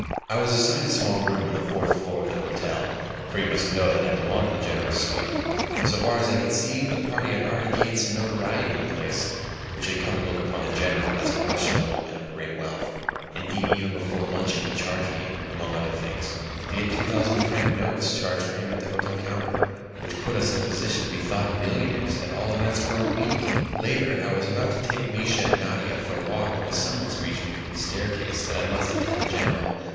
I was assigned a small room on the fourth floor of the hotel (for you must know that I belonged to the General's suite). So far as I could see, the party had already gained some notoriety in the place, which had come to look upon the General as a Russian nobleman of great wealth. Indeed, even before luncheon he charged me, among other things, to get two thousand franc notes changed for him at the hotel counter, which put us in a position to be thought millionaires at all events for a week! Later, I was about to take Mischa and Nadia for a walk when a summons reached me from the staircase that I must attend the General.